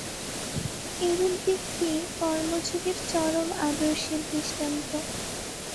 এরূপ ব্যক্তিই কর্মযোগের চরম আদর্শের দৃষ্টান্ত।